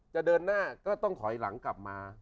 จะเดินหน้าก็ต้องถอยหลังกลับมา